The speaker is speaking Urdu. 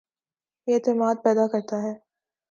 یہ اعتماد پیدا کرتا ہے